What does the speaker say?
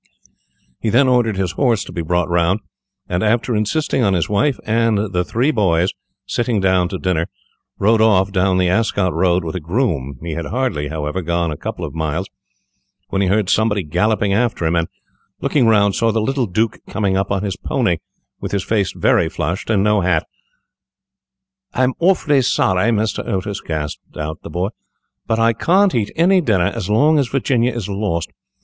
He then ordered his horse to be brought round, and, after insisting on his wife and the three boys sitting down to dinner, rode off down the Ascot road with a groom. He had hardly, however, gone a couple of miles, when he heard somebody galloping after him, and, looking round, saw the little Duke coming up on his pony, with his face very flushed, and no hat. "I'm awfully sorry, Mr. Otis," gasped out the boy, "but I can't eat any dinner as long as Virginia is lost.